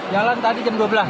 jalan tadi jam dua belas